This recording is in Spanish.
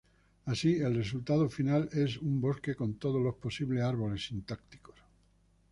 Así, el resultado final es un bosque con todos los posibles árboles sintácticos.